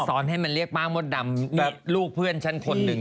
สอนให้มันเรียกป้ามดดำลูกเพื่อนฉันคนหนึ่ง